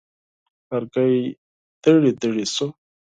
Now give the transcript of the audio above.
لرګی دړې دړې شو.